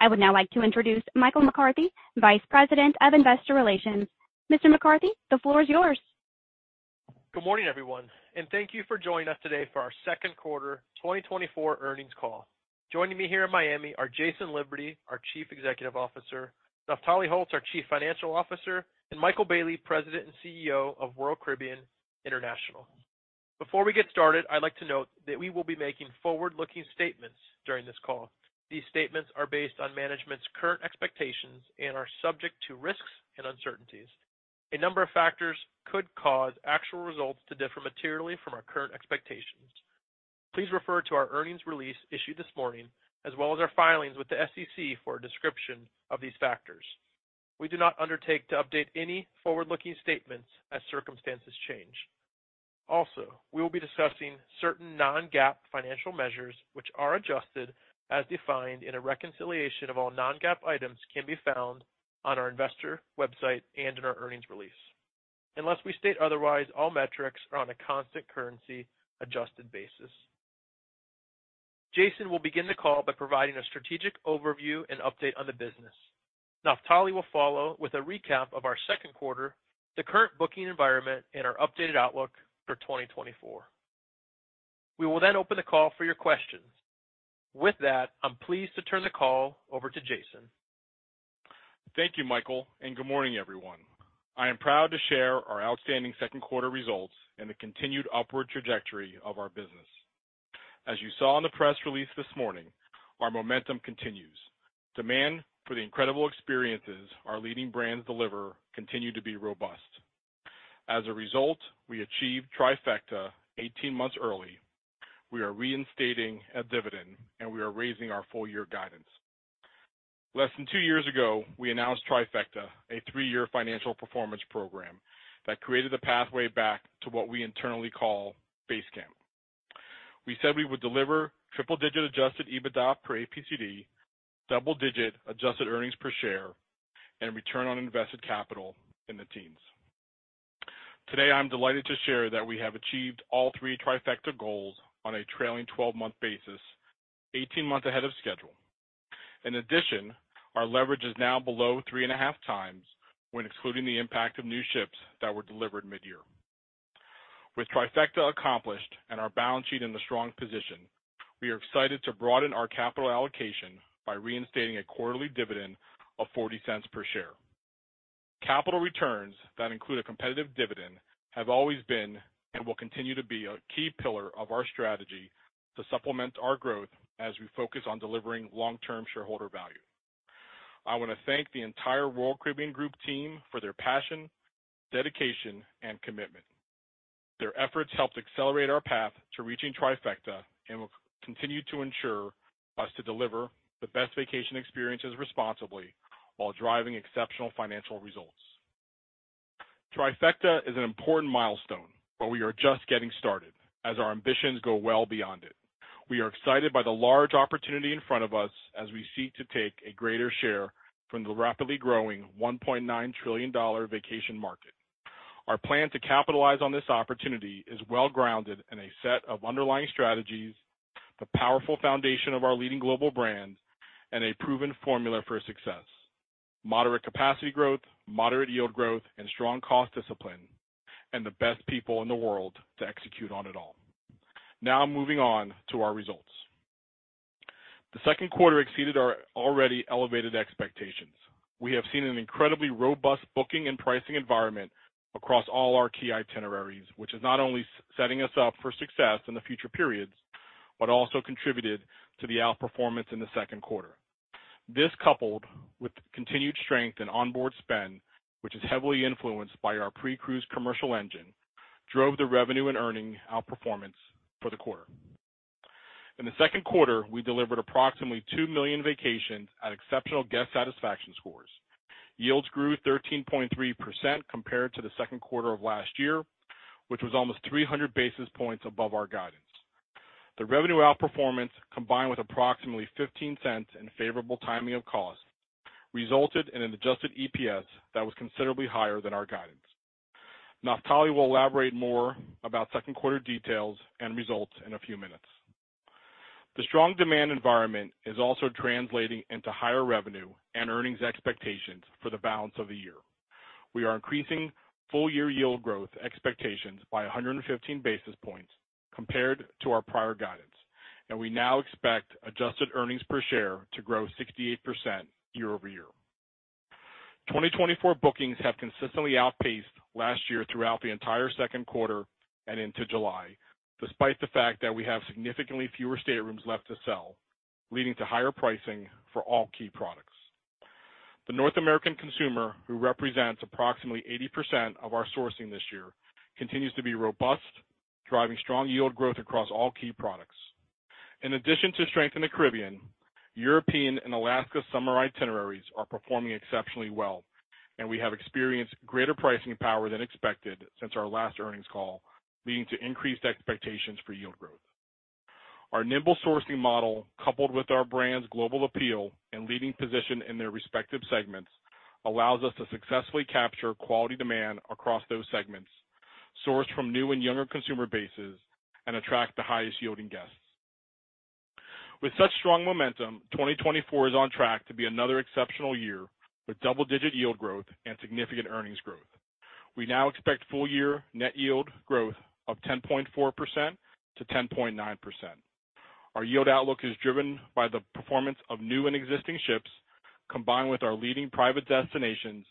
I would now like to introduce Michael McCarthy, Vice President of Investor Relations. Mr. McCarthy, the floor is yours. Good morning, everyone, and thank you for joining us today for our second quarter 2024 earnings call. Joining me here in Miami are Jason Liberty, our Chief Executive Officer, Naftali Holtz, our Chief Financial Officer, and Michael Bayley, President and CEO of Royal Caribbean International. Before we get started, I'd like to note that we will be making forward-looking statements during this call. These statements are based on management's current expectations and are subject to risks and uncertainties. A number of factors could cause actual results to differ materially from our current expectations. Please refer to our earnings release issued this morning, as well as our filings with the SEC for a description of these factors. We do not undertake to update any forward-looking statements as circumstances change. Also, we will be discussing certain non-GAAP financial measures, which are adjusted, as defined in a reconciliation of all non-GAAP items, can be found on our investor website and in our earnings release. Unless we state otherwise, all metrics are on a constant currency-adjusted basis. Jason will begin the call by providing a strategic overview and update on the business. Naftali will follow with a recap of our second quarter, the current booking environment, and our updated outlook for 2024. We will then open the call for your questions. With that, I'm pleased to turn the call over to Jason. Thank you, Michael, and good morning, everyone. I am proud to share our outstanding second quarter results and the continued upward trajectory of our business. As you saw in the press release this morning, our momentum continues. Demand for the incredible experiences our leading brands deliver continue to be robust. As a result, we achieved Trifecta 18 months early. We are reinstating a dividend, and we are raising our full-year guidance. Less than two years ago, we announced Trifecta, a three-year financial performance program that created the pathway back to what we internally call Base Camp. We said we would deliver triple-digit Adjusted EBITDA per APCD, double-digit Adjusted earnings per share, and return on invested capital in the teens. Today, I'm delighted to share that we have achieved all three Trifecta goals on a trailing 12-month basis, 18 months ahead of schedule. In addition, our leverage is now below 3.5x when excluding the impact of new ships that were delivered midyear. With Trifecta accomplished and our balance sheet in a strong position, we are excited to broaden our capital allocation by reinstating a quarterly dividend of $0.40 per share. Capital returns that include a competitive dividend have always been, and will continue to be, a key pillar of our strategy to supplement our growth as we focus on delivering long-term shareholder value. I want to thank the entire Royal Caribbean Group team for their passion, dedication, and commitment. Their efforts helped accelerate our path to reaching Trifecta and will continue to ensure us to deliver the best vacation experiences responsibly while driving exceptional financial results. Trifecta is an important milestone, but we are just getting started as our ambitions go well beyond it. We are excited by the large opportunity in front of us as we seek to take a greater share from the rapidly growing $1.9 trillion vacation market. Our plan to capitalize on this opportunity is well-grounded in a set of underlying strategies, the powerful foundation of our leading global brands, and a proven formula for success: moderate capacity growth, moderate yield growth, and strong cost discipline, and the best people in the world to execute on it all. Now moving on to our results. The second quarter exceeded our already elevated expectations. We have seen an incredibly robust booking and pricing environment across all our key itineraries, which is not only setting us up for success in the future periods, but also contributed to the outperformance in the second quarter. This, coupled with continued strength in onboard spend, which is heavily influenced by our pre-cruise commercial engine, drove the revenue and earnings outperformance for the quarter. In the second quarter, we delivered approximately 2 million vacations at exceptional guest satisfaction scores. Yields grew 13.3% compared to the second quarter of last year, which was almost 300 basis points above our guidance. The revenue outperformance, combined with approximately $0.15 in favorable timing of cost, resulted in an Adjusted EPS that was considerably higher than our guidance. Naftali will elaborate more about second quarter details and results in a few minutes. The strong demand environment is also translating into higher revenue and earnings expectations for the balance of the year. We are increasing full-year yield growth expectations by 115 basis points compared to our prior guidance, and we now expect Adjusted Earnings Per Share to grow 68% year-over-year. 2024 bookings have consistently outpaced last year throughout the entire second quarter and into July, despite the fact that we have significantly fewer staterooms left to sell, leading to higher pricing for all key products. The North American consumer, who represents approximately 80% of our sourcing this year, continues to be robust, driving strong yield growth across all key products. In addition to strength in the Caribbean, European and Alaska summer itineraries are performing exceptionally well, and we have experienced greater pricing power than expected since our last earnings call, leading to increased expectations for yield growth. Our nimble sourcing model, coupled with our brand's global appeal and leading position in their respective segments, allows us to successfully capture quality demand across those segments... sourced from new and younger consumer bases and attract the highest-yielding guests. With such strong momentum, 2024 is on track to be another exceptional year, with double-digit yield growth and significant earnings growth. We now expect full-year net yield growth of 10.4%-10.9%. Our yield outlook is driven by the performance of new and existing ships, combined with our leading private destinations,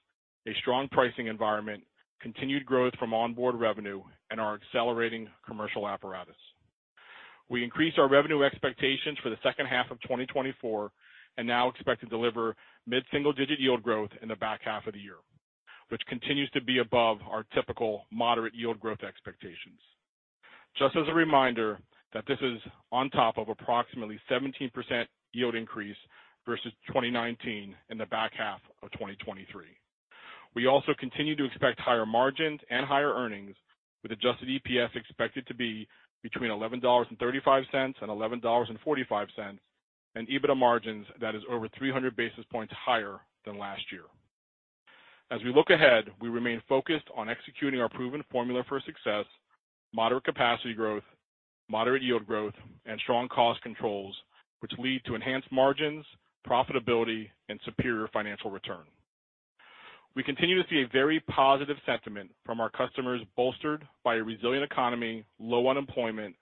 a strong pricing environment, continued growth from onboard revenue, and our accelerating commercial apparatus. We increased our revenue expectations for the second half of 2024 and now expect to deliver mid-single-digit yield growth in the back half of the year, which continues to be above our typical moderate yield growth expectations. Just as a reminder that this is on top of approximately 17% yield increase versus 2019 in the back half of 2023. We also continue to expect higher margins and higher earnings, with adjusted EPS expected to be between $11.35 and $11.45, and EBITDA margins that is over 300 basis points higher than last year. As we look ahead, we remain focused on executing our proven formula for success, moderate capacity growth, moderate yield growth, and strong cost controls, which lead to enhanced margins, profitability, and superior financial return. We continue to see a very positive sentiment from our customers, bolstered by a resilient economy, low unemployment,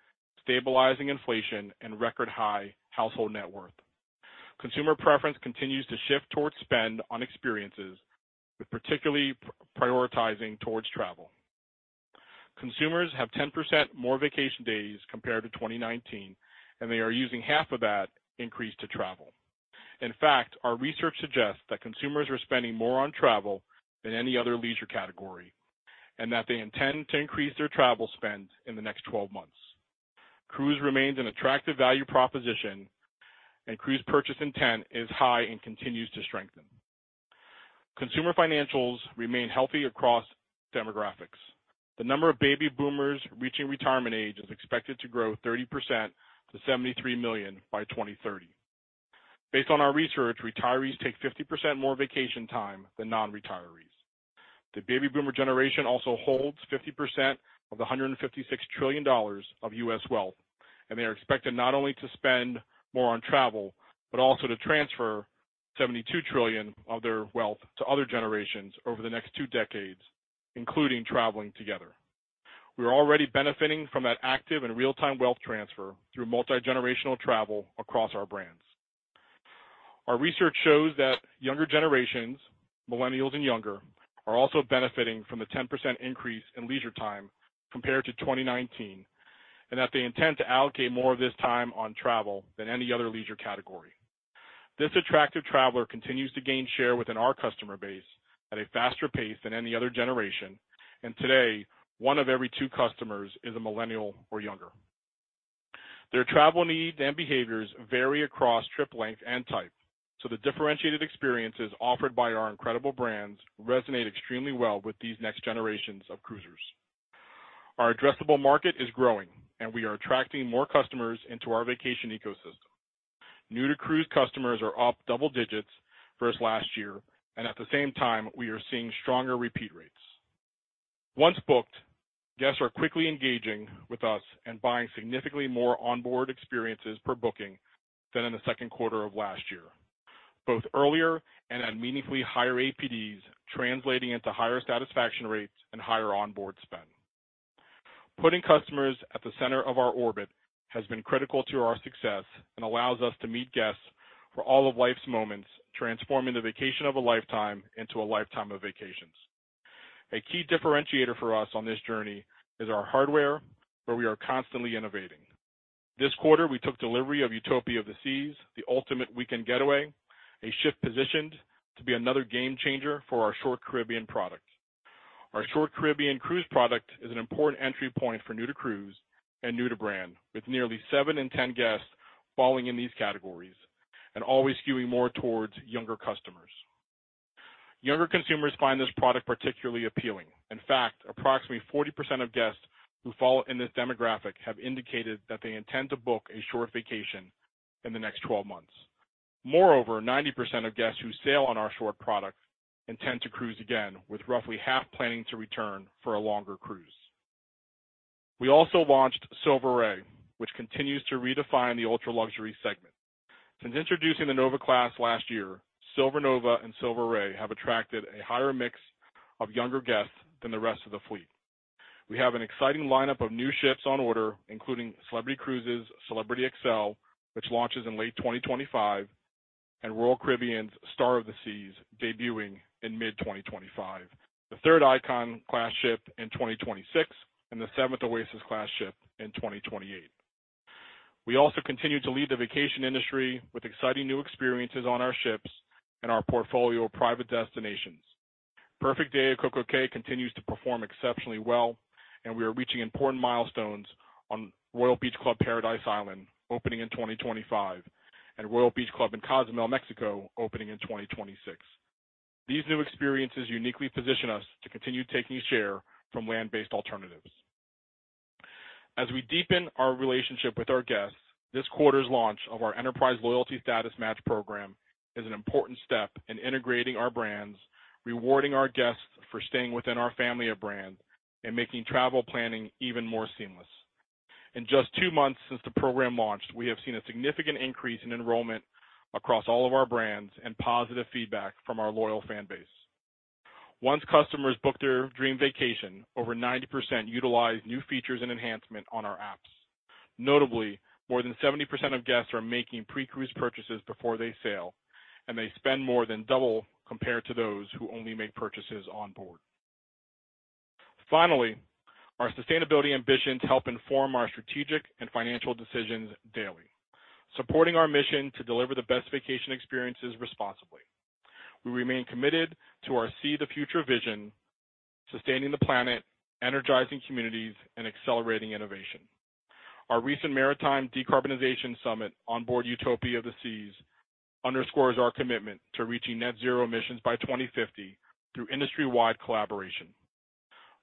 stabilizing inflation, and record-high household net worth. Consumer preference continues to shift towards spend on experiences, with particularly prioritizing towards travel. Consumers have 10% more vacation days compared to 2019, and they are using half of that increase to travel. In fact, our research suggests that consumers are spending more on travel than any other leisure category, and that they intend to increase their travel spend in the next 12 months. Cruise remains an attractive value proposition, and cruise purchase intent is high and continues to strengthen. Consumer financials remain healthy across demographics. The number of baby boomers reaching retirement age is expected to grow 30% to 73 million by 2030. Based on our research, retirees take 50% more vacation time than non-retirees. The baby boomer generation also holds 50% of the $156 trillion of U.S. wealth, and they are expected not only to spend more on travel, but also to transfer $72 trillion of their wealth to other generations over the next two decades, including traveling together. We are already benefiting from that active and real-time wealth transfer through multigenerational travel across our brands. Our research shows that younger generations, millennials and younger, are also benefiting from the 10% increase in leisure time compared to 2019, and that they intend to allocate more of this time on travel than any other leisure category. This attractive traveler continues to gain share within our customer base at a faster pace than any other generation, and today, one of every two customers is a millennial or younger. Their travel needs and behaviors vary across trip length and type, so the differentiated experiences offered by our incredible brands resonate extremely well with these next generations of cruisers. Our addressable market is growing, and we are attracting more customers into our vacation ecosystem. New-to-cruise customers are up double digits versus last year, and at the same time, we are seeing stronger repeat rates. Once booked, guests are quickly engaging with us and buying significantly more onboard experiences per booking than in the second quarter of last year, both earlier and at meaningfully higher APDs, translating into higher satisfaction rates and higher onboard spend. Putting customers at the center of our orbit has been critical to our success and allows us to meet guests for all of life's moments, transforming the vacation of a lifetime into a lifetime of vacations. A key differentiator for us on this journey is our hardware, where we are constantly innovating. This quarter, we took delivery of Utopia of the Seas, the ultimate weekend getaway, a ship positioned to be another game changer for our short Caribbean product. Our short Caribbean cruise product is an important entry point for new to cruise and new to brand, with nearly 7 in 10 guests falling in these categories and always skewing more towards younger customers. Younger consumers find this product particularly appealing. In fact, approximately 40% of guests who fall in this demographic have indicated that they intend to book a short vacation in the next 12 months. Moreover, 90% of guests who sail on our short product intend to cruise again, with roughly half planning to return for a longer cruise. We also launched Silver Ray, which continues to redefine the ultra-luxury segment. Since introducing the Nova Class last year, Silver Nova and Silver Ray have attracted a higher mix of younger guests than the rest of the fleet. We have an exciting lineup of new ships on order, including Celebrity Cruises' Celebrity Xcel, which launches in late 2025, and Royal Caribbean's Star of the Seas, debuting in mid-2025, the third Icon Class ship in 2026, and the seventh Oasis Class ship in 2028. We also continue to lead the vacation industry with exciting new experiences on our ships and our portfolio of private destinations. Perfect Day at CocoCay continues to perform exceptionally well, and we are reaching important milestones on Royal Beach Club Paradise Island, opening in 2025, and Royal Beach Club in Cozumel, Mexico, opening in 2026. These new experiences uniquely position us to continue taking share from land-based alternatives. As we deepen our relationship with our guests, this quarter's launch of our Enterprise Loyalty Status Match program is an important step in integrating our brands, rewarding our guests for staying within our family of brands, and making travel planning even more seamless. In just 2 months since the program launched, we have seen a significant increase in enrollment across all of our brands and positive feedback from our loyal fan base. Once customers book their dream vacation, over 90% utilize new features and enhancement on our apps. Notably, more than 70% of guests are making pre-cruise purchases before they sail, and they spend more than double compared to those who only make purchases on board. Finally, our sustainability ambitions help inform our strategic and financial decisions daily, supporting our mission to deliver the best vacation experiences responsibly. We remain committed to our SEA the Future vision, sustaining the planet, energizing communities, and accelerating innovation. Our recent Maritime Decarbonization Summit on board Utopia of the Seas underscores our commitment to reaching net zero emissions by 2050 through industry-wide collaboration.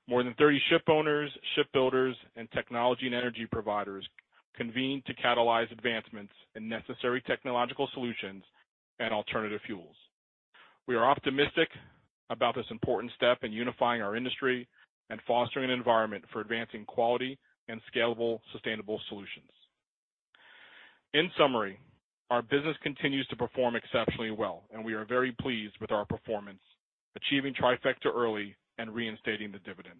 More than 30 ship owners, shipbuilders, and technology and energy providers convened to catalyze advancements in necessary technological solutions and alternative fuels. We are optimistic about this important step in unifying our industry and fostering an environment for advancing quality and scalable, sustainable solutions. In summary, our business continues to perform exceptionally well, and we are very pleased with our performance, achieving Trifecta early and reinstating the dividend.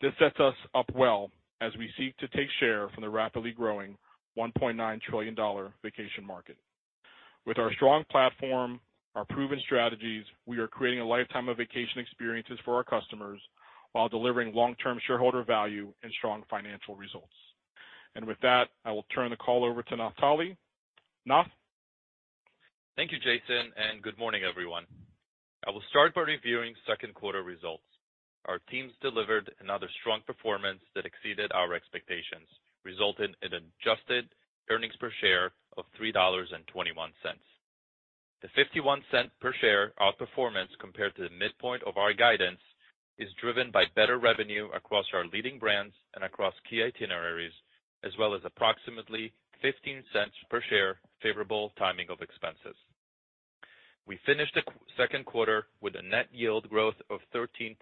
This sets us up well as we seek to take share from the rapidly growing $1.9 trillion-dollar vacation market. With our strong platform, our proven strategies, we are creating a lifetime of vacation experiences for our customers while delivering long-term shareholder value and strong financial results. With that, I will turn the call over to Naftali. Nath? Thank you, Jason, and good morning, everyone. I will start by reviewing second quarter results. Our teams delivered another strong performance that exceeded our expectations, resulting in adjusted earnings per share of $3.21. The $0.51 per share outperformance compared to the midpoint of our guidance is driven by better revenue across our leading brands and across key itineraries, as well as approximately $0.15 per share, favorable timing of expenses. We finished the second quarter with a net yield growth of 13.3%.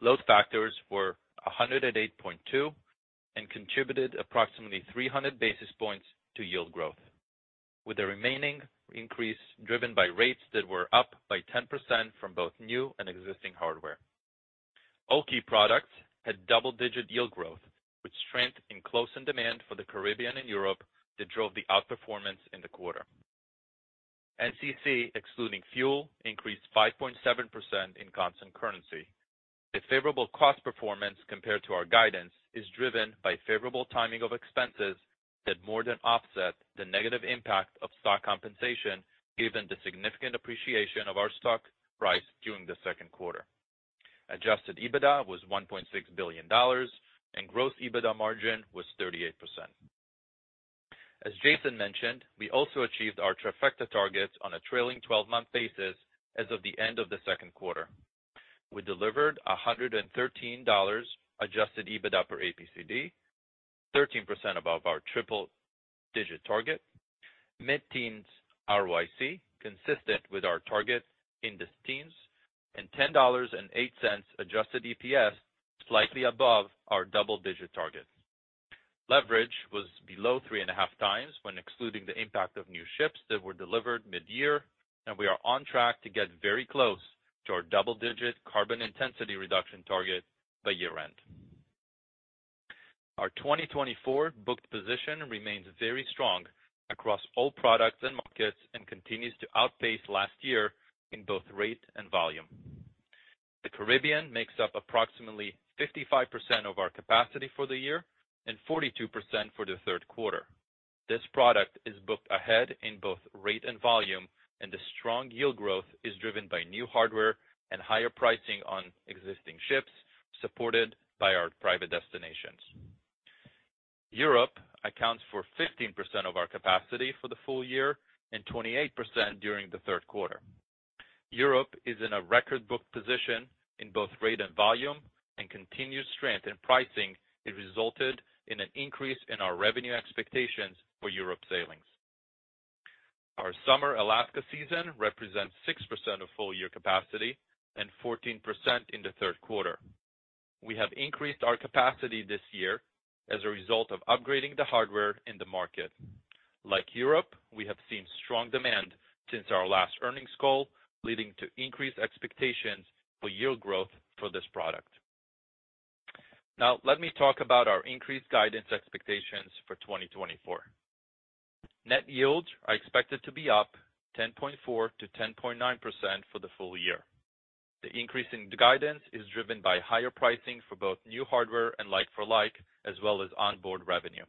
Load factors were 108.2 and contributed approximately 300 basis points to yield growth, with the remaining increase driven by rates that were up by 10% from both new and existing hardware. All key products had double-digit yield growth, with strength in close-in demand for the Caribbean and Europe that drove the outperformance in the quarter. NCC, excluding fuel, increased 5.7% in constant currency. A favorable cost performance compared to our guidance is driven by favorable timing of expenses that more than offset the negative impact of stock compensation, given the significant appreciation of our stock price during the second quarter. Adjusted EBITDA was $1.6 billion, and growth EBITDA margin was 38%. As Jason mentioned, we also achieved our Trifecta targets on a trailing twelve-month basis as of the end of the second quarter. We delivered $113 adjusted EBITDA per APCD, 13% above our triple-digit target, mid-teens ROIC, consistent with our target in the teens, and $10.08 adjusted EPS, slightly above our double-digit target. Leverage was below 3.5x when excluding the impact of new ships that were delivered mid-year, and we are on track to get very close to our double-digit carbon intensity reduction target by year-end. Our 2024 booked position remains very strong across all products and markets and continues to outpace last year in both rate and volume. The Caribbean makes up approximately 55% of our capacity for the year and 42% for the third quarter. This product is booked ahead in both rate and volume, and the strong yield growth is driven by new hardware and higher pricing on existing ships, supported by our private destinations. Europe accounts for 15% of our capacity for the full year and 28% during the third quarter. Europe is in a record book position in both rate and volume, and continued strength in pricing has resulted in an increase in our revenue expectations for Europe sailings. Our summer Alaska season represents 6% of full-year capacity and 14% in the third quarter. We have increased our capacity this year as a result of upgrading the hardware in the market. Like Europe, we have seen strong demand since our last earnings call, leading to increased expectations for yield growth for this product. Now, let me talk about our increased guidance expectations for 2024. Net yields are expected to be up 10.4%-10.9% for the full year. The increase in the guidance is driven by higher pricing for both new hardware and like-for-like, as well as onboard revenue.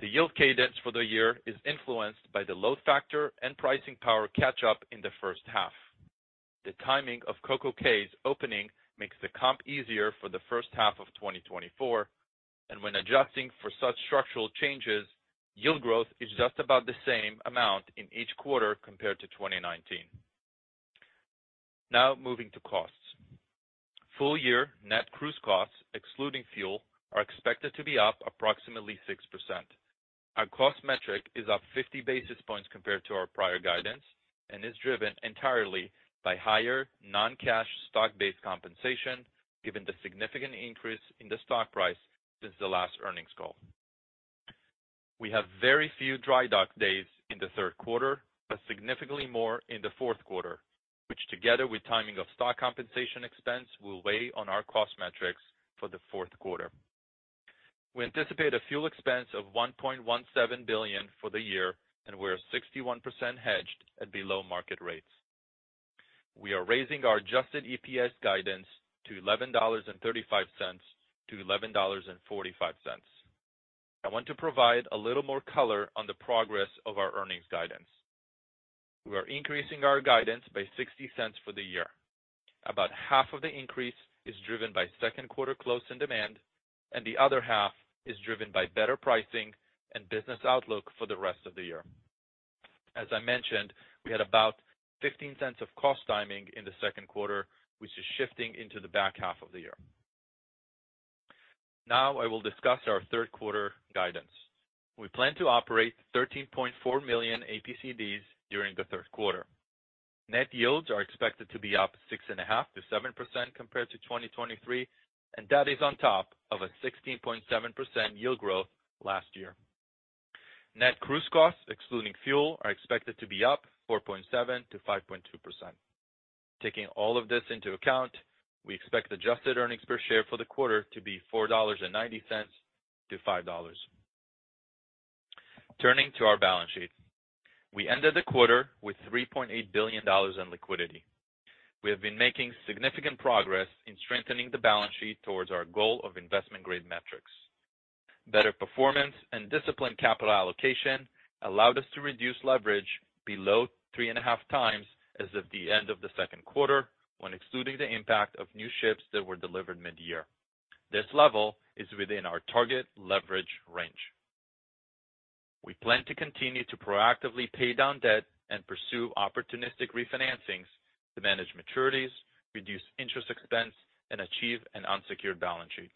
The yield cadence for the year is influenced by the load factor and pricing power catch-up in the first half. The timing of CocoCay's opening makes the comp easier for the first half of 2024, and when adjusting for such structural changes, yield growth is just about the same amount in each quarter compared to 2019. Now moving to costs. Full-year net cruise costs, excluding fuel, are expected to be up approximately 6%. Our cost metric is up 50 basis points compared to our prior guidance and is driven entirely by higher non-cash stock-based compensation, given the significant increase in the stock price since the last earnings call. We have very few dry dock days in the third quarter, but significantly more in the fourth quarter, which, together with timing of stock compensation expense, will weigh on our cost metrics for the fourth quarter. We anticipate a fuel expense of $1.17 billion for the year, and we're 61% hedged at below market rates. We are raising our adjusted EPS guidance to $11.35-$11.45. I want to provide a little more color on the progress of our earnings guidance. We are increasing our guidance by $0.60 for the year. About half of the increase is driven by second quarter close in demand, and the other half is driven by better pricing and business outlook for the rest of the year. As I mentioned, we had about $0.15 of cost timing in the second quarter, which is shifting into the back half of the year. Now I will discuss our third quarter guidance. We plan to operate 13.4 million APCDs during the third quarter. Net yields are expected to be up 6.5%-7% compared to 2023, and that is on top of a 16.7% yield growth last year. Net cruise costs, excluding fuel, are expected to be up 4.7%-5.2%. Taking all of this into account, we expect adjusted earnings per share for the quarter to be $4.90-$5.00. Turning to our balance sheet. We ended the quarter with $3.8 billion in liquidity. We have been making significant progress in strengthening the balance sheet towards our goal of investment-grade metrics. Better performance and disciplined capital allocation allowed us to reduce leverage below 3.5x as of the end of the second quarter, when excluding the impact of new ships that were delivered mid-year. This level is within our target leverage range. We plan to continue to proactively pay down debt and pursue opportunistic refinancings to manage maturities, reduce interest expense, and achieve an unsecured balance sheet.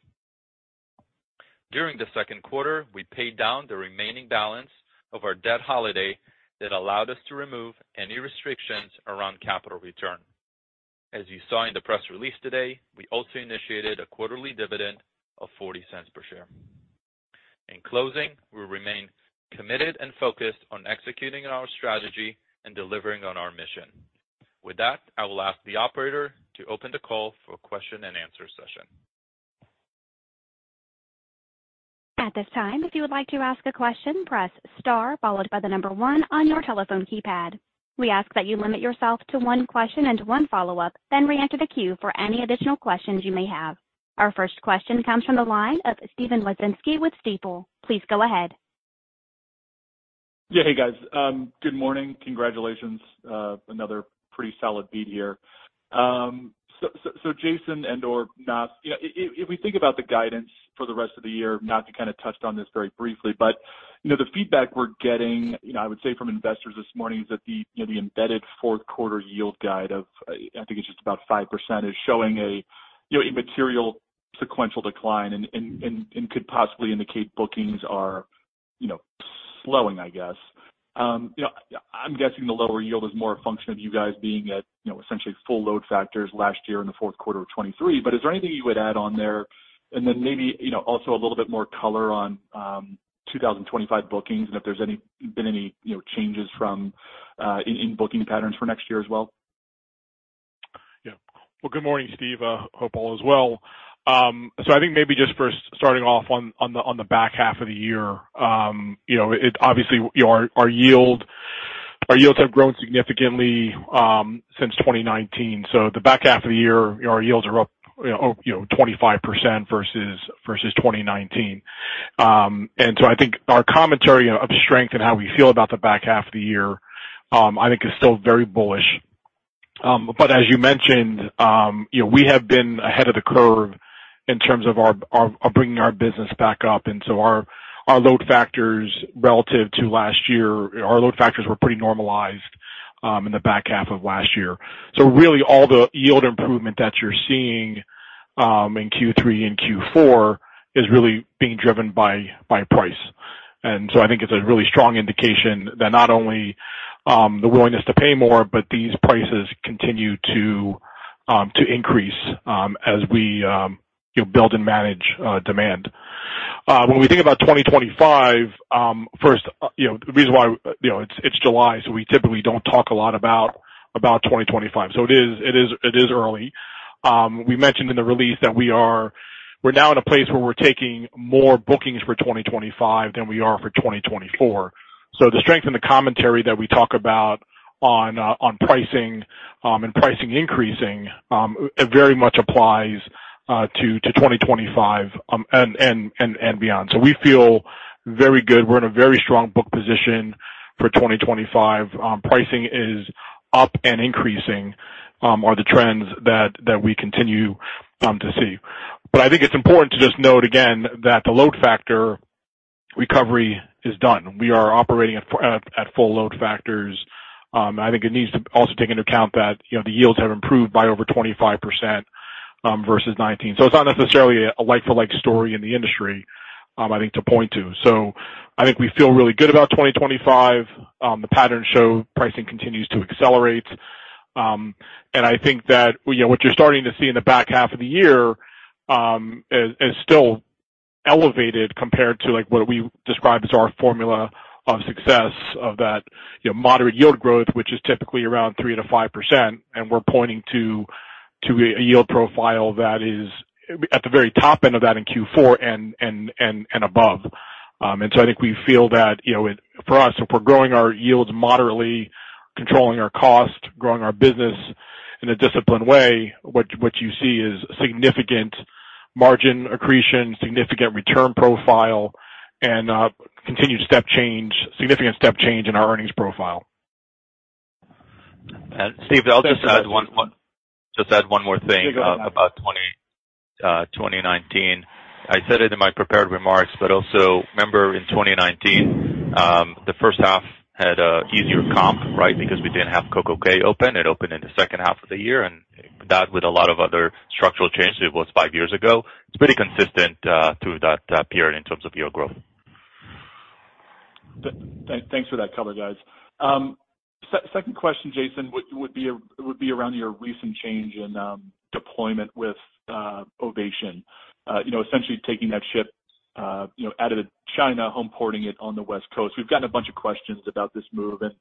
During the second quarter, we paid down the remaining balance of our debt holiday that allowed us to remove any restrictions around capital return. As you saw in the press release today, we also initiated a quarterly dividend of $0.40 per share. In closing, we remain committed and focused on executing on our strategy and delivering on our mission. With that, I will ask the operator to open the call for a question-and-answer session. At this time, if you would like to ask a question, press *, followed by the number 1 on your telephone keypad. We ask that you limit yourself to one question and one follow-up, then reenter the queue for any additional questions you may have. Our first question comes from the line of Steven Wieczynski with Stifel. Please go ahead. Yeah. Hey, guys. Good morning. Congratulations, another pretty solid beat here. So, Jason and/or Nath, if we think about the guidance for the rest of the year, Nath, you kinda touched on this very briefly, but, you know, the feedback we're getting, you know, I would say from investors this morning is that the, you know, the embedded fourth quarter yield guide of, I think it's just about 5%, is showing a, you know, a material sequential decline and could possibly indicate bookings are, you know, slowing, I guess. You know, I'm guessing the lower yield is more a function of you guys being at, you know, essentially full load factors last year in the fourth quarter of 2023. But is there anything you would add on there? Then maybe, you know, also a little bit more color on 2025 bookings and if there's been any, you know, changes in booking patterns for next year as well? Yeah. Well, good morning, Steve. Hope all is well. So I think maybe just first starting off on the back half of the year, you know, it obviously our yields have grown significantly since 2019. So the back half of the year, our yields are up, you know, 25% versus 2019. And so I think our commentary of strength and how we feel about the back half of the year, I think is still very bullish. But as you mentioned, you know, we have been ahead of the curve in terms of our bringing our business back up, and so our load factors relative to last year were pretty normalized in the back half of last year. So really, all the yield improvement that you're seeing in Q3 and Q4 is really being driven by price. And so I think it's a really strong indication that not only the willingness to pay more, but these prices continue to increase as we build and manage demand. When we think about 2025, first, you know, the reason why, you know, it's July, so we typically don't talk a lot about 2025. So it is early. We mentioned in the release that we're now in a place where we're taking more bookings for 2025 than we are for 2024. So the strength in the commentary that we talk about on, on pricing, and pricing increasing, it very much applies, to 2025 and beyond. So we feel very good. We're in a very strong book position for 2025. Pricing is up and increasing are the trends that we continue to see. But I think it's important to just note again, that the load factor-... recovery is done. We are operating at full load factors. I think it needs to also take into account that, you know, the yields have improved by over 25%, versus 2019. So it's not necessarily a like-for-like story in the industry, I think, to point to. So I think we feel really good about 2025. The patterns show pricing continues to accelerate. And I think that, you know, what you're starting to see in the back half of the year, is still elevated compared to, like, what we describe as our formula of success of that, you know, moderate yield growth, which is typically around 3%-5%, and we're pointing to a yield profile that is at the very top end of that in Q4 and above. I think we feel that, you know, for us, if we're growing our yields moderately, controlling our cost, growing our business in a disciplined way, what you see is significant margin accretion, significant return profile, and continued step change, significant step change in our earnings profile. And Steve, I'll just add one more thing about 2019. I said it in my prepared remarks, but also remember, in 2019, the first half had an easier comp, right? Because we didn't have CocoCay open. It opened in the second half of the year, and that with a lot of other structural changes, it was five years ago. It's pretty consistent through that period in terms of yield growth. Thanks for that color, guys. Second question, Jason, would be around your recent change in deployment with Ovation. You know, essentially taking that ship out of China, home porting it on the West Coast. We've gotten a bunch of questions about this move, and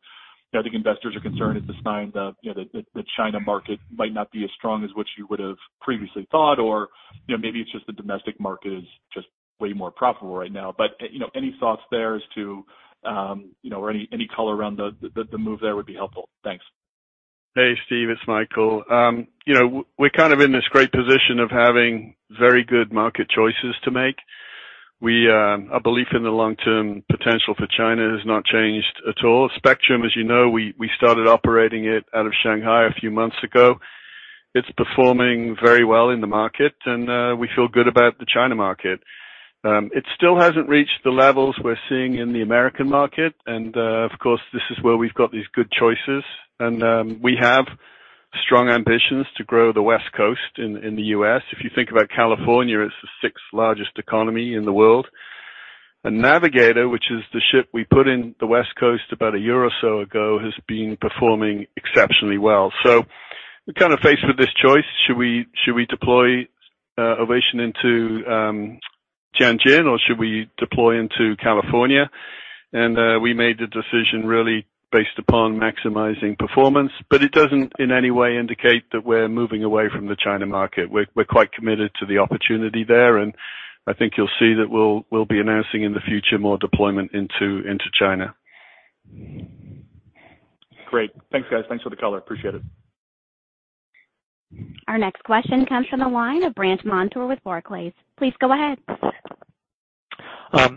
I think investors are concerned it's a sign that, you know, that the China market might not be as strong as what you would have previously thought, or, you know, maybe it's just the domestic market is just way more profitable right now. But any thoughts there as to or any color around the move there would be helpful. Thanks. Hey, Steve, it's Michael. You know, we're kind of in this great position of having very good market choices to make. We, our belief in the long-term potential for China has not changed at all. Spectrum, as you know, we started operating it out of Shanghai a few months ago. It's performing very well in the market, and we feel good about the China market. It still hasn't reached the levels we're seeing in the American market, and of course, this is where we've got these good choices, and we have strong ambitions to grow the West Coast in the U.S. If you think about California, it's the sixth largest economy in the world. And Navigator, which is the ship we put in the West Coast about a year or so ago, has been performing exceptionally well. So we're kind of faced with this choice. Should we, should we deploy Ovation into Tianjin, or should we deploy into California? And we made the decision really based upon maximizing performance, but it doesn't in any way indicate that we're moving away from the China market. We're quite committed to the opportunity there, and I think you'll see that we'll be announcing in the future more deployment into China. Great. Thanks, guys. Thanks for the color. Appreciate it. Our next question comes from the line of Brandt Montour with Barclays. Please go ahead.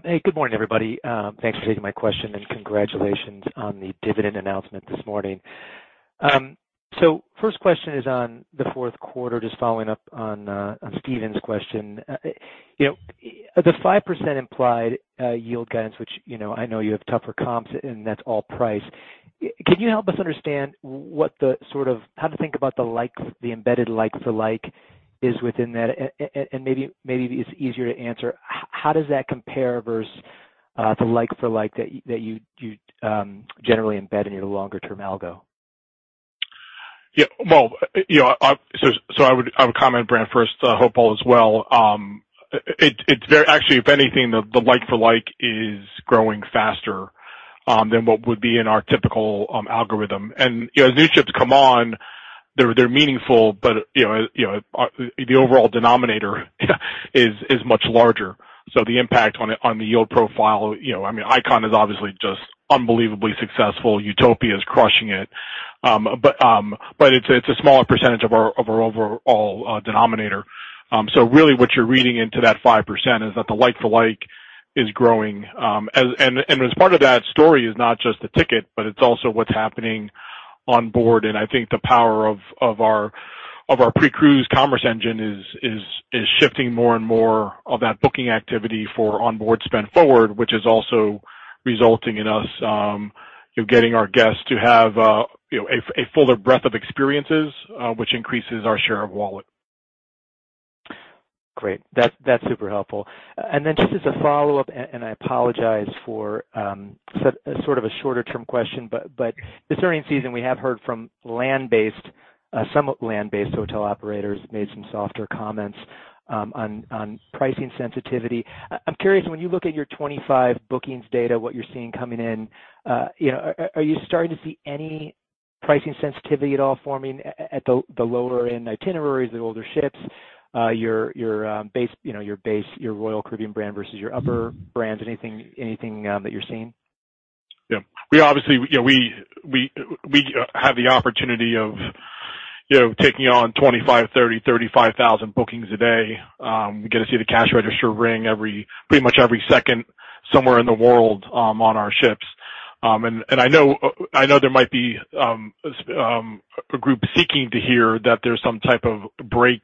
Hey, good morning, everybody. Thanks for taking my question, and congratulations on the dividend announcement this morning. So first question is on the fourth quarter, just following up on on Steven's question. You know, the 5% implied yield guidance, which, you know, I know you have tougher comps, and that's all price. Can you help us understand what the sort of... how to think about the likes, the embedded like-for-like is within that? And maybe, maybe it's easier to answer, how does that compare versus the like-for-like that you, that you, you generally embed in your longer-term algo? Yeah. Well, you know, so I would comment, Brandt, first, hope all is well. It's very, actually, if anything, the like-for-like is growing faster than what would be in our typical algorithm. And, you know, as new ships come on, they're meaningful, but, you know, the overall denominator is much larger. So the impact on the yield profile, you know, I mean, Icon is obviously just unbelievably successful. Utopia is crushing it. But it's a smaller percentage of our overall denominator. So really, what you're reading into that 5% is that the like-for-like is growing. And as part of that story is not just the ticket, but it's also what's happening on board. And I think the power of our pre-cruise commerce engine is shifting more and more of that booking activity for onboard spend forward, which is also resulting in us, you know, getting our guests to have, you know, a fuller breadth of experiences, which increases our share of wallet. Great. That's super helpful. Then just as a follow-up, I apologize for sort of a shorter term question, but this earnings season, we have heard from land-based some land-based hotel operators made some softer comments on pricing sensitivity. I'm curious, when you look at your 25 bookings data, what you're seeing coming in, you know, are you starting to see any pricing sensitivity at all forming at the lower end itineraries, the older ships, your base, you know, your base, your Royal Caribbean brand versus your upper brands? Anything that you're seeing? Yeah. We obviously, you know, have the opportunity of, you know, taking on 25,000, 30,000, 35,000 bookings a day. We get to see the cash register ring every, pretty much every second somewhere in the world, on our ships. And I know there might be a group seeking to hear that there's some type of break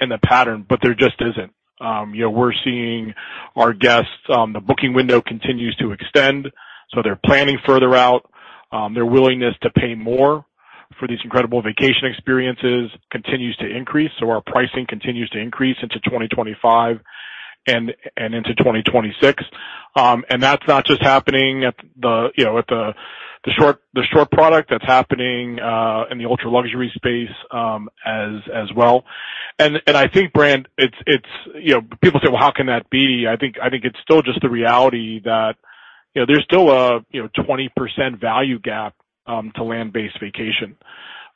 in the pattern, but there just isn't. You know, we're seeing our guests, the booking window continues to extend, so they're planning further out. Their willingness to pay more for these incredible vacation experiences continues to increase, so our pricing continues to increase into 2025 and into 2026. And that's not just happening at the, you know, at the short product. That's happening in the ultra-luxury space as well. And I think, Brandt, it's, you know, people say, "Well, how can that be?" I think it's still just the reality that, you know, there's still a 20% value gap to land-based vacation.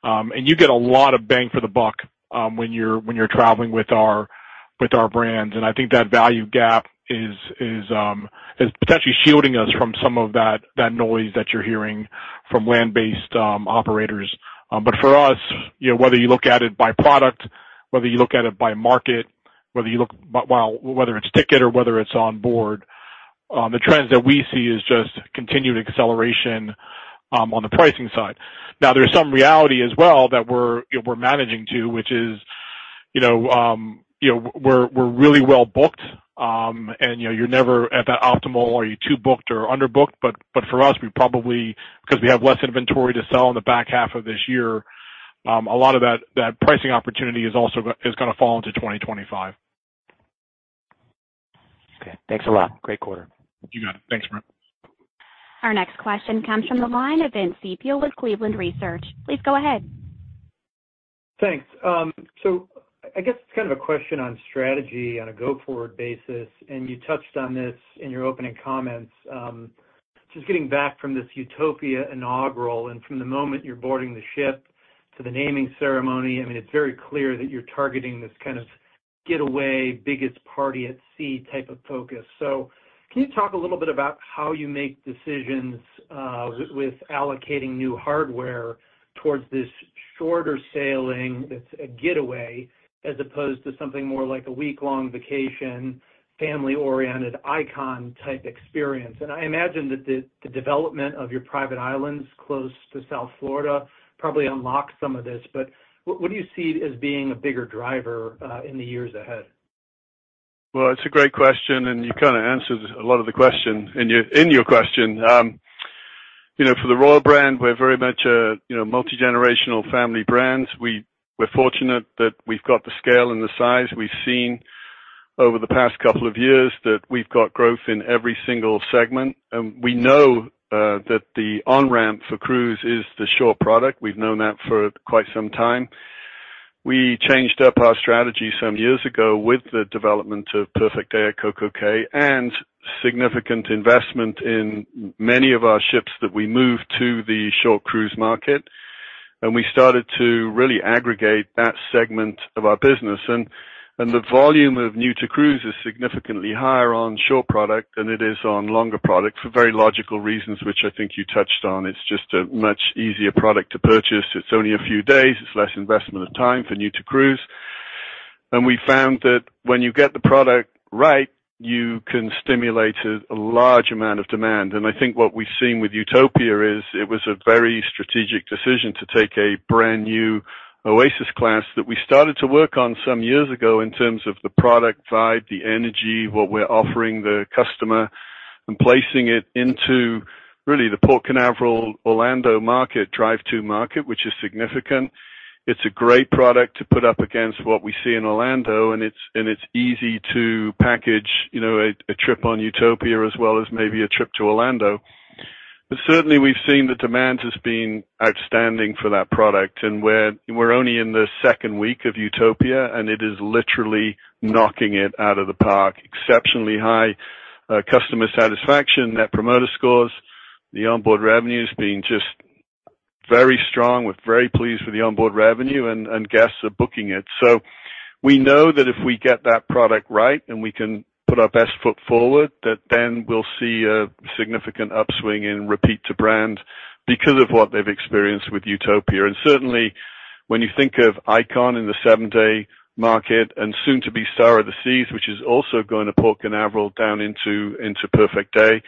And you get a lot of bang for the buck when you're traveling with our brands, and I think that value gap is potentially shielding us from some of that noise that you're hearing from land-based operators. But for us, you know, whether you look at it by product, whether you look at it by market, whether it's ticket or whether it's on board, the trends that we see is just continued acceleration on the pricing side. Now, there's some reality as well that we're managing to, which is, you know, we're really well booked, and you know, you're never at that optimal, are you too booked or underbooked? But for us, we probably, 'cause we have less inventory to sell in the back half of this year, a lot of that pricing opportunity is also gonna fall into 2025. Okay. Thanks a lot. Great quarter. You got it. Thanks, Brad. Our next question comes from the line of Vince Ciepiel with Cleveland Research. Please go ahead. Thanks. So I guess it's kind of a question on strategy on a go-forward basis, and you touched on this in your opening comments. Just getting back from this Utopia inaugural, and from the moment you're boarding the ship to the naming ceremony, I mean, it's very clear that you're targeting this kind of getaway, biggest party at sea type of focus. So can you talk a little bit about how you make decisions with allocating new hardware towards this shorter sailing that's a getaway, as opposed to something more like a week-long vacation, family-oriented Icon-type experience? And I imagine that the development of your private islands close to South Florida probably unlocks some of this, but what do you see as being a bigger driver in the years ahead? Well, it's a great question, and you kind of answered a lot of the question in your, in your question. You know, for the Royal brand, we're very much a, you know, multigenerational family brand. We're fortunate that we've got the scale and the size. We've seen over the past couple of years that we've got growth in every single segment. And we know that the on-ramp for cruise is the shore product. We've known that for quite some time. We changed up our strategy some years ago with the development of Perfect Day at CocoCay, and significant investment in many of our ships that we moved to the short cruise market, and we started to really aggregate that segment of our business. And the volume of new-to-cruise is significantly higher on shore product than it is on longer product for very logical reasons, which I think you touched on. It's just a much easier product to purchase. It's only a few days. It's less investment of time for new-to-cruise. And we found that when you get the product right, you can stimulate a large amount of demand. And I think what we've seen with Utopia is it was a very strategic decision to take a brand-new Oasis Class that we started to work on some years ago in terms of the product vibe, the energy, what we're offering the customer, and placing it into really the Port Canaveral, Orlando market, drive-to market, which is significant. It's a great product to put up against what we see in Orlando, and it's easy to package, you know, a trip on Utopia as well as maybe a trip to Orlando. But certainly we've seen the demand has been outstanding for that product, and we're only in the second week of Utopia, and it is literally knocking it out of the park. Exceptionally high customer satisfaction, net promoter scores. The onboard revenue is being just very strong. We're very pleased with the onboard revenue, and guests are booking it. So, we know that if we get that product right, and we can put our best foot forward, that then we'll see a significant upswing in repeat to brand because of what they've experienced with Utopia. Certainly, when you think of Icon in the seven-day market, and soon to be Star of the Seas, which is also going to Port Canaveral down into Perfect Day,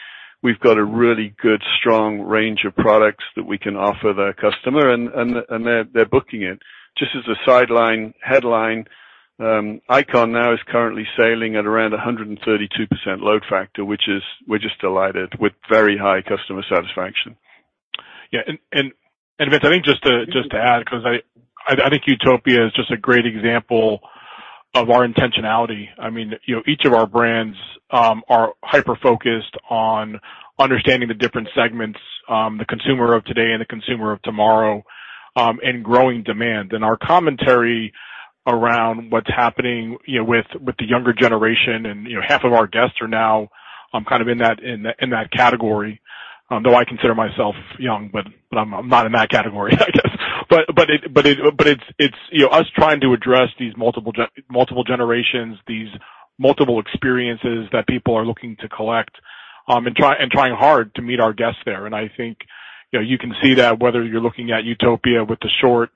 we've got a really good, strong range of products that we can offer the customer, and they're booking it. Just as a sideline headline, Icon now is currently sailing at around 132% load factor, which is... We're just delighted with very high customer satisfaction. Yeah, and Vince, I think just to add, 'cause I think Utopia is just a great example of our intentionality. I mean, you know, each of our brands are hyper-focused on understanding the different segments, the consumer of today and the consumer of tomorrow, and growing demand. And our commentary around what's happening, you know, with the younger generation, and, you know, half of our guests are now kind of in that category, though I consider myself young, but I'm not in that category, I guess. But it's, you know, us trying to address these multiple generations, these multiple experiences that people are looking to collect, and trying hard to meet our guests there. I think, you know, you can see that whether you're looking at Utopia with the short,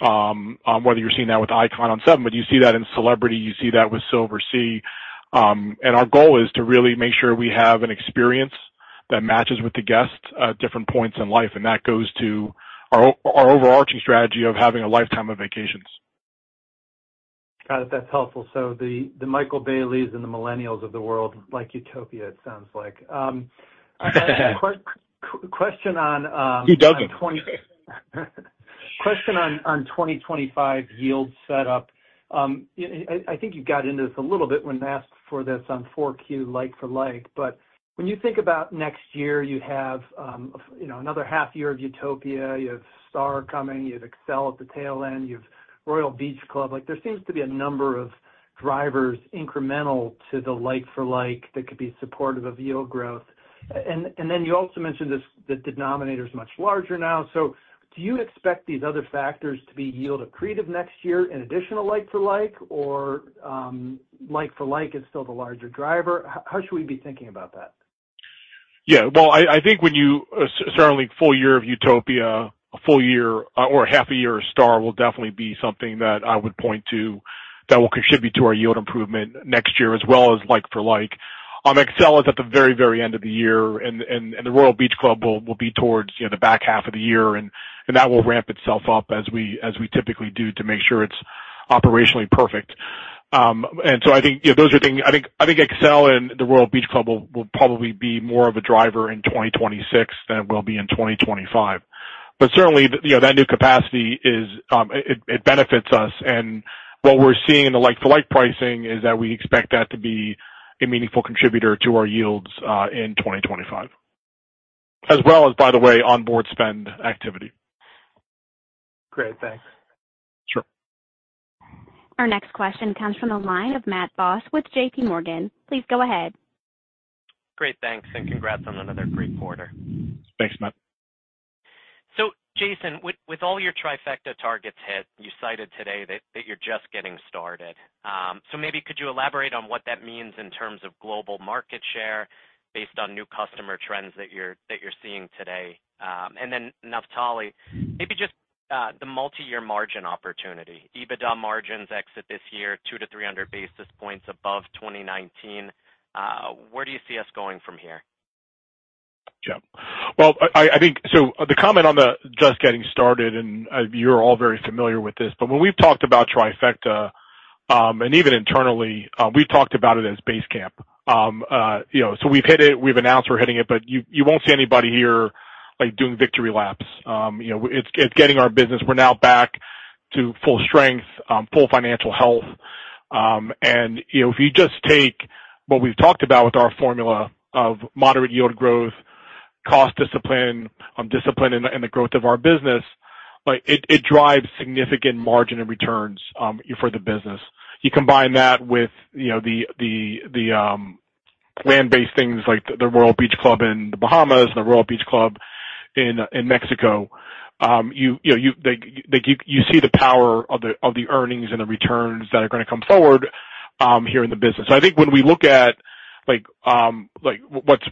whether you're seeing that with Icon on seven, but you see that in Celebrity, you see that with Silversea. And our goal is to really make sure we have an experience that matches with the guest at different points in life, and that goes to our overarching strategy of having a lifetime of vacations. Got it, that's helpful. So, the Michael Bayley and the millennials of the world like Utopia, it sounds like. Quick question on twenty- You dug in. Question on 2025 yield setup. I think you got into this a little bit when asked for this on 4Q, like for like, but when you think about next year, you have, you know, another half year of Utopia, you have Star coming, you have Xcel at the tail end, you have Royal Beach Club. Like, there seems to be a number of drivers incremental to the like for like, that could be supportive of yield growth. And then you also mentioned this, the denominator is much larger now. So, do you expect these other factors to be yield accretive next year in additional like for like, or like for like is still the larger driver? How should we be thinking about that? Yeah. Well, I think when you—certainly full year of Utopia, a full year or a half a year of Star will definitely be something that I would point to, that will contribute to our yield improvement next year, as well as like for like. Xcel is at the very, very end of the year, and the Royal Beach Club will be towards, you know, the back half of the year, and that will ramp itself up as we typically do, to make sure it's operationally perfect. And so, I think, you know, those are things—I think Xcel and the Royal Beach Club will probably be more of a driver in 2026 than in 2025. But certainly, you know, that new capacity is, it benefits us. What we're seeing in the like-for-like pricing is that we expect that to be a meaningful contributor to our yields in 2025, as well as, by the way, onboard spend activity. Great. Thanks. Sure. Our next question comes from the line of Matthew Boss with J.P. Morgan. Please go ahead. Great, thanks, and congrats on another great quarter. Thanks, Matt. So, Jason, with all your Trifecta targets hit, you cited today that you're just getting started. So maybe could you elaborate on what that means in terms of global market share based on new customer trends that you're seeing today? And then Naftali, maybe just the multi-year margin opportunity. EBITDA margins exit this year, 200-300 basis points above 2019. Where do you see us going from here? Yeah. Well, I think... So, the comment on the just getting started, and you're all very familiar with this, but when we've talked about Trifecta, and even internally, we've talked about it as Base Camp. You know, so we've hit it, we've announced we're hitting it, but you won't see anybody here, like, doing victory laps. You know, it's getting our business. We're now back to full strength, full financial health. And, you know, if you just take what we've talked about with our formula of moderate yield growth, cost discipline, discipline in the growth of our business, but it drives significant margin and returns, for the business. You combine that with, you know, the land-based things like the Royal Beach Club in the Bahamas and the Royal Beach Club in Mexico, you know, you see the power of the earnings and the returns that are gonna come forward here in the business. So I think when we look at like,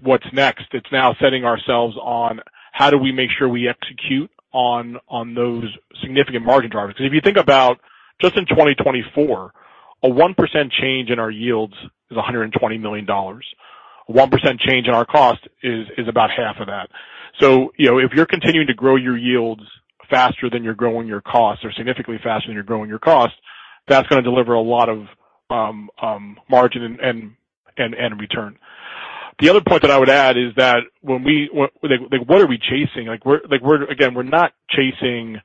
what's next, it's now setting ourselves on how do we make sure we execute on those significant margin drivers? Because if you think about just in 2024, a 1% change in our yields is $120 million. A 1% change in our cost is about half of that. So, you know, if you're continuing to grow your yields faster than you're growing your costs, or significantly faster than you're growing your costs, that's gonna deliver a lot of margin and return. The other point that I would add is that when we like, what are we chasing? Like, we're like, we're again, we're not chasing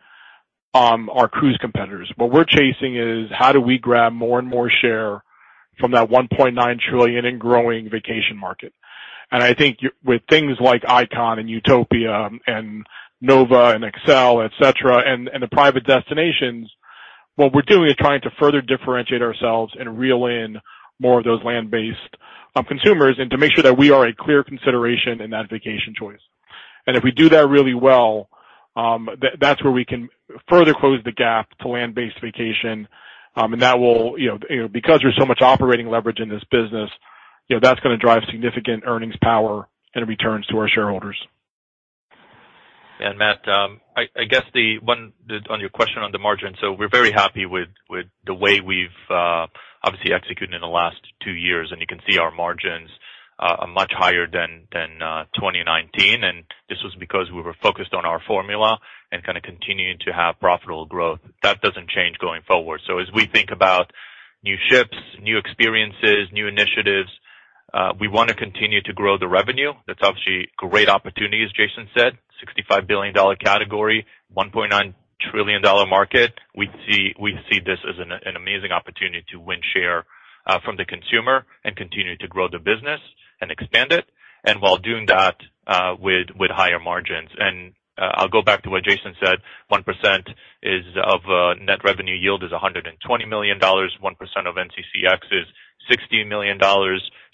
our cruise competitors. What we're chasing is, how do we grab more and more share from that $1.9 trillion growing vacation market? And I think with things like Icon and Utopia and Nova and Excel, et cetera, and the private destinations, what we're doing is trying to further differentiate ourselves and reel in more of those land-based consumers, and to make sure that we are a clear consideration in that vacation choice. If we do that really well, that's where we can further close the gap to land-based vacation. And that will, you know, you know, because there's so much operating leverage in this business, you know, that's gonna drive significant earnings power and returns to our shareholders. And Matt, I guess the one on your question on the margin, so we're very happy with the way we've obviously executed in the last two years, and you can see our margins are much higher than 2019. And this was because we were focused on our formula and kind of continuing to have profitable growth. That doesn't change going forward. So, as we think about new ships, new experiences, new initiatives, we want to continue to grow the revenue. That's obviously a great opportunity, as Jason said, $65 billion category, $1.9 trillion market. We see this as an amazing opportunity to win share from the consumer and continue to grow the business and expand it, and while doing that, with higher margins. I'll go back to what Jason said, 1% of net revenue yield is $120 million. 1% of NCCX is $60 million.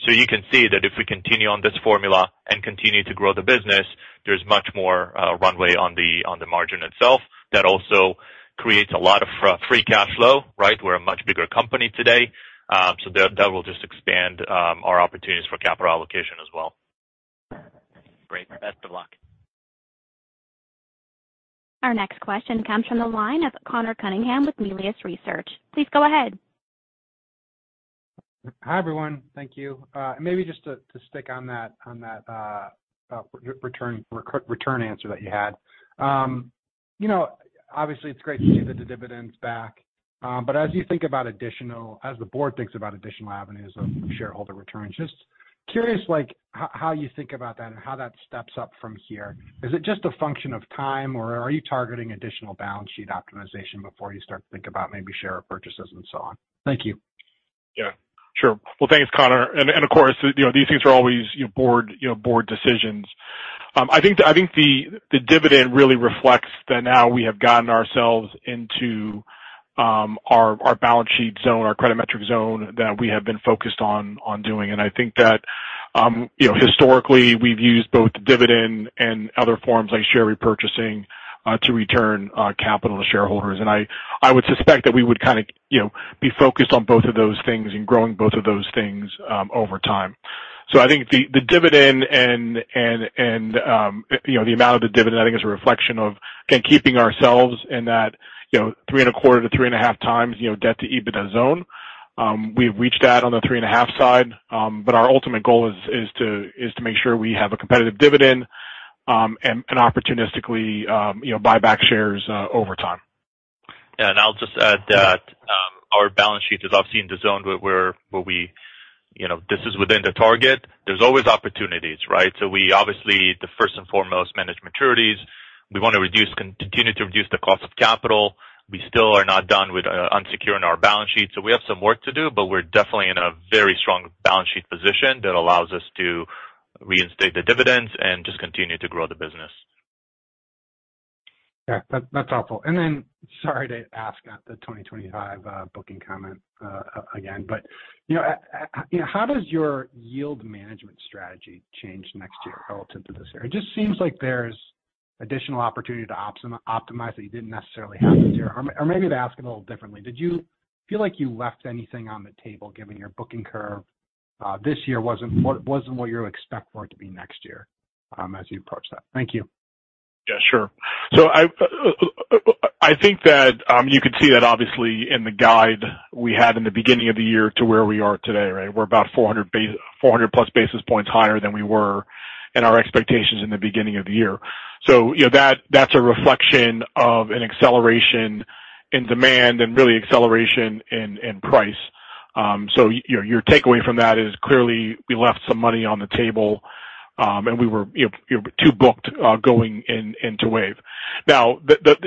So you can see that if we continue on this formula and continue to grow the business, there's much more runway on the margin itself. That also creates a lot of free cash flow, right? We're a much bigger company today. So that, that will just expand our opportunities for capital allocation as well. Our next question comes from the line of Conor Cunningham with Melius Research. Please go ahead. Hi, everyone. Thank you. Maybe just to stick on that return answer that you had. You know, obviously, it's great to see that the dividend's back, but as you think about additional—as the board thinks about additional avenues of shareholder returns, just curious, like, how you think about that and how that steps up from here. Is it just a function of time, or are you targeting additional balance sheet optimization before you start to think about maybe share purchases and so on? Thank you. Yeah, sure. Well, thanks, Conor. And of course, you know, these things are always, you know, board decisions. I think the dividend really reflects that now we have gotten ourselves into our balance sheet zone, our credit metric zone, that we have been focused on doing. And I think that, you know, historically, we've used both dividend and other forms, like share repurchasing, to return capital to shareholders. And I would suspect that we would kind of, you know, be focused on both of those things and growing both of those things, over time. So I think the dividend and, you know, the amount of the dividend, I think, is a reflection of, again, keeping ourselves in that, you know, 3.25 to 3.5 times, you know, debt to EBITDA zone. We've reached that on the 3.5 side, but our ultimate goal is to make sure we have a competitive dividend, and opportunistically, you know, buy back shares over time. Yeah, and I'll just add that our balance sheet is obviously in the zone where we, you know, this is within the target. There's always opportunities, right? So, we obviously, first and foremost, manage maturities. We want to continue to reduce the cost of capital. We still are not done with unsecuring our balance sheet, so we have some work to do, but we're definitely in a very strong balance sheet position that allows us to reinstate the dividends and just continue to grow the business. Yeah, that's helpful. Then, sorry to ask about the 2025 booking comment again, but you know, how does your yield management strategy change next year relative to this year? It just seems like there's additional opportunity to optimize that you didn't necessarily have this year. Or maybe to ask it a little differently: Did you feel like you left anything on the table given your booking curve, this year wasn't what you expect for it to be next year, as you approach that? Thank you. Yeah, sure. So I think that you could see that obviously in the guide we had in the beginning of the year to where we are today, right? We're about 400+ basis points higher than we were in our expectations in the beginning of the year. So, you know, that that's a reflection of an acceleration in demand and really acceleration in price. So your takeaway from that is clearly we left some money on the table, and we were, you know, too booked going into Wave. Now,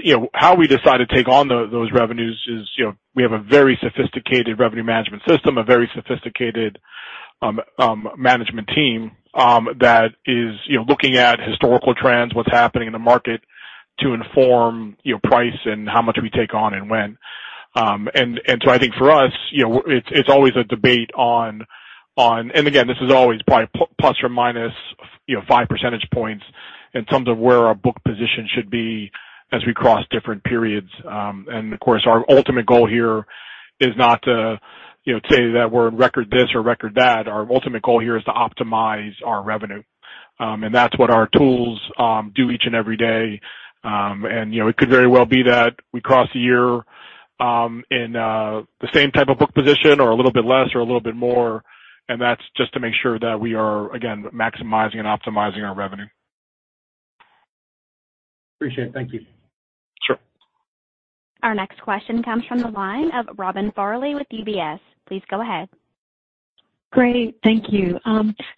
you know, how we decide to take on those revenues is, you know, we have a very sophisticated revenue management system, a very sophisticated management team, that is, you know, looking at historical trends, what's happening in the market, to inform, you know, price and how much we take on and when. And so I think for us, you know, it's always a debate on. And again, this is always probably plus or minus, you know, five percentage points in terms of where our book position should be as we cross different periods. And of course, our ultimate goal here is not to, you know, say that we're record this or record that. Our ultimate goal here is to optimize our revenue. And that's what our tools do each and every day. You know, it could very well be that we cross a year in the same type of book position or a little bit less or a little bit more, and that's just to make sure that we are again maximizing and optimizing our revenue. Appreciate it. Thank you. Sure. Our next question comes from the line of Robin Farley with UBS. Please go ahead. Great. Thank you.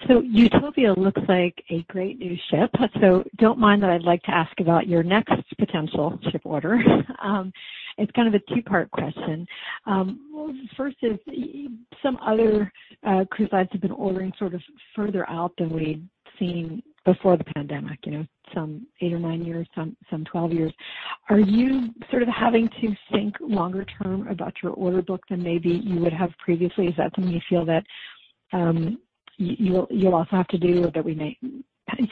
So, Utopia looks like a great new ship, so don't mind that I'd like to ask about your next potential ship order. It's kind of a two-part question. Well, first is, some other cruise lines have been ordering sort of further out than we've seen before the pandemic, you know, some 8 or 9 years, some 12 years. Are you sort of having to think longer term about your order book than maybe you would have previously? Is that something you feel that you'll also have to do or that we may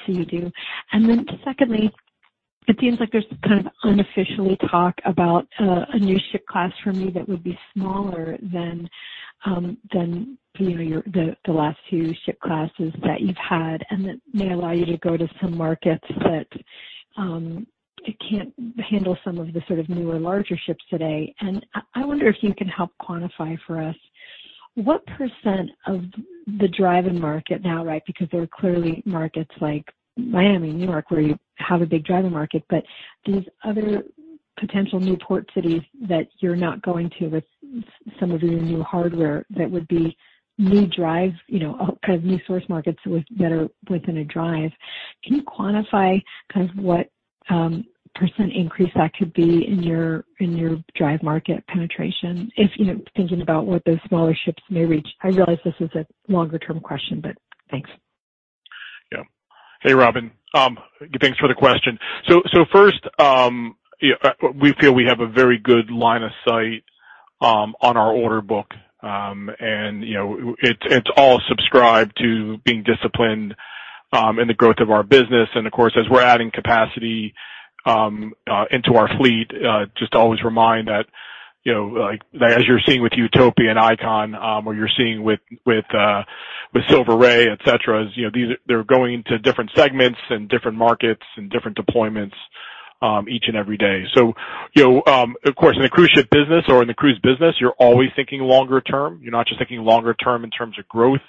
see you do? And then secondly, it seems like there's kind of unofficially talk about a new ship class from you that would be smaller than, than, you know, your, the, the last two ship classes that you've had, and that may allow you to go to some markets that it can't handle some of the sort of newer, larger ships today. And I, I wonder if you can help quantify for us what percent of the driving market now, right? Because there are clearly markets like Miami and New York, where you have a big driving market, but these other potential new port cities that you're not going to with some of your new hardware, that would be new drives, you know, kind of new source markets with that are within a drive. Can you quantify kind of what % increase that could be in your, in your drive market penetration if, you know, thinking about what those smaller ships may reach? I realize this is a longer-term question, but thanks. Yeah. Hey, Robin, thanks for the question. So, first, yeah, we feel we have a very good line of sight on our order book. And, you know, it's all subscribed to being disciplined in the growth of our business. And of course, as we're adding capacity into our fleet, just to always remind that you know, like, as you're seeing with Utopia and Icon, or you're seeing with Silver Ray, et cetera, is, you know, these—they're going into different segments and different markets and different deployments each and every day. So, you know, of course, in the cruise ship business or in the cruise business, you're always thinking longer term. You're not just thinking longer term in terms of growth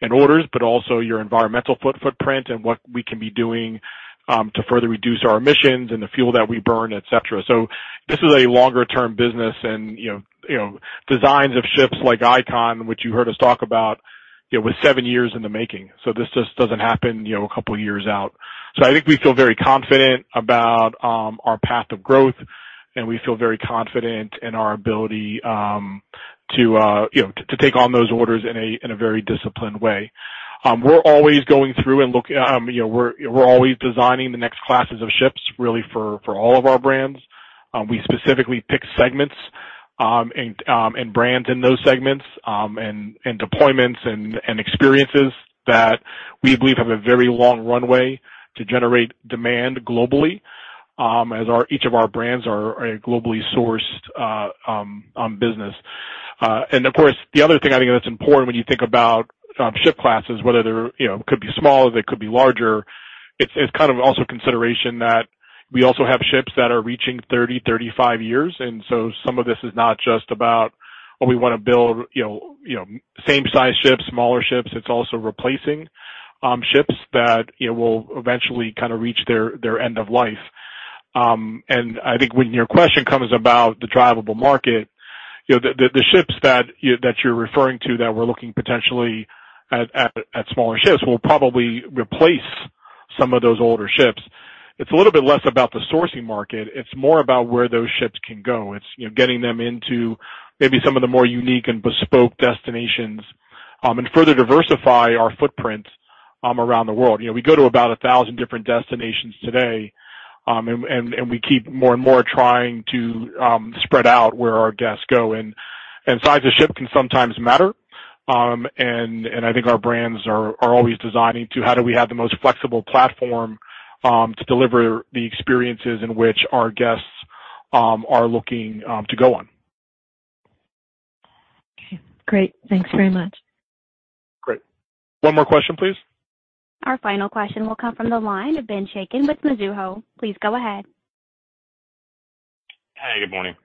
and orders, but also your environmental footprint and what we can be doing to further reduce our emissions and the fuel that we burn, et cetera. So, this is a longer-term business and, you know, you know, designs of ships like Icon, which you heard us talk about, it was seven years in the making. So, this just doesn't happen, you know, a couple of years out. So, I think we feel very confident about our path of growth, and we feel very confident in our ability to take on those orders in a very disciplined way. We're always going through and look, you know, we're always designing the next classes of ships, really, for all of our brands. We specifically pick segments and brands in those segments and deployments and experiences that we believe have a very long runway to generate demand globally, as each of our brands are a globally sourced business. And of course, the other thing I think that's important when you think about ship classes, whether they're you know could be small, they could be larger, it's kind of also a consideration that we also have ships that are reaching 30-35 years. And so, some of this is not just about oh we want to build you know you know same size ships, smaller ships. It's also replacing ships that you know will eventually kind of reach their end of life. And I think when your question comes about the drivable market, you know, the ships that you're referring to that we're looking potentially at smaller ships, will probably replace some of those older ships. It's a little bit less about the sourcing market. It's more about where those ships can go. It's, you know, getting them into maybe some of the more unique and bespoke destinations, and further diversify our footprint around the world. You know, we go to about 1,000 different destinations today, and we keep more and more trying to spread out where our guests go. And size of ship can sometimes matter. And I think our brands are always designing to how do we have the most flexible platform to deliver the experiences in which our guests are looking to go on. Okay, great. Thanks very much. Great. One more question, please. Our final question will come from the line of Ben Chaiken with Mizuho. Please go ahead. Hi, good morning.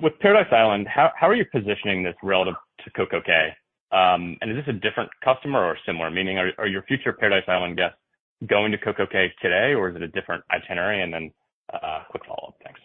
With Paradise Island, how are you positioning this relative to CocoCay? And is this a different customer or similar? Meaning, are your future Paradise Island guests going to CocoCay today, or is it a different itinerary? And then, a quick follow-up. Thanks.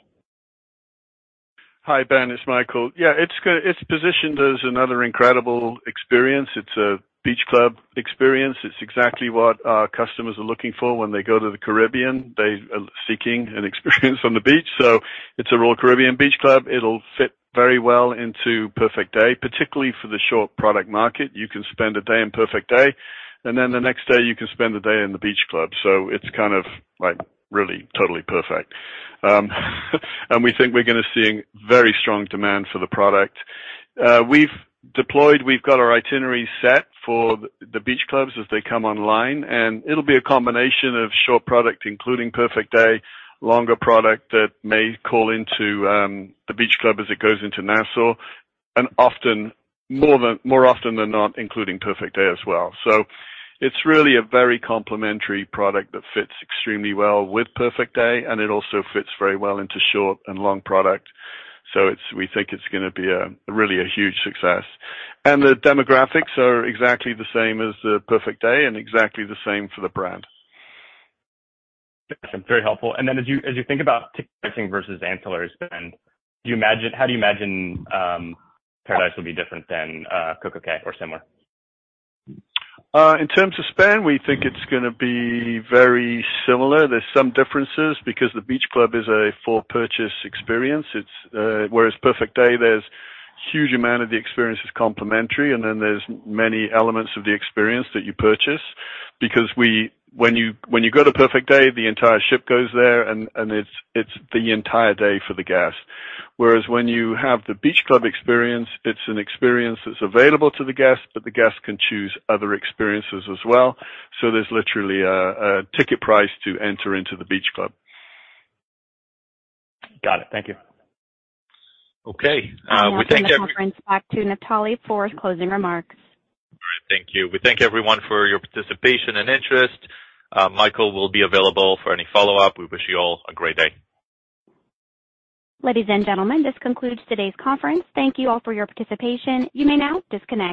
Hi, Ben, it's Michael. Yeah, it's positioned as another incredible experience. It's a beach club experience. It's exactly what our customers are looking for when they go to the Caribbean. They are seeking an experience on the beach, so it's a Royal Caribbean Beach Club. It'll fit very well into Perfect Day, particularly for the short product market. You can spend a day in Perfect Day, and then the next day you can spend the day in the beach club. So, it's kind of, like, really, totally perfect. And we think we're gonna seeing very strong demand for the product. We've deployed, we've got our itinerary set for the beach clubs as they come online, and it'll be a combination of short product, including Perfect Day, longer product that may call into the beach club as it goes into Nassau, and often more often than not, including Perfect Day as well. So, it's really a very complementary product that fits extremely well with Perfect Day, and it also fits very well into short and long product. So, it's we think it's gonna be a really a huge success. And the demographics are exactly the same as the Perfect Day and exactly the same for the brand. Very helpful. And then as you, as you think about ticketing versus ancillaries spend, how do you imagine Paradise will be different than CocoCay or similar? In terms of spend, we think it's gonna be very similar. There's some differences because the beach club is a for-purchase experience. It's whereas Perfect Day, there's huge amount of the experience is complimentary, and then there's many elements of the experience that you purchase. Because when you, when you go to Perfect Day, the entire ship goes there, and, and it's, it's the entire day for the guest. Whereas when you have the beach club experience, it's an experience that's available to the guest, but the guest can choose other experiences as well. So, there's literally a, a ticket price to enter into the beach club. Got it. Thank you. Okay, we thank every- I'll turn the conference back to Naftali for closing remarks. Great. Thank you. We thank everyone for your participation and interest. Michael will be available for any follow-up. We wish you all a great day. Ladies and gentlemen, this concludes today's conference. Thank you all for your participation. You may now disconnect.